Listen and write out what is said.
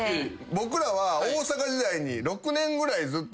僕らは大阪時代に６年ぐらいずっとおんなじ。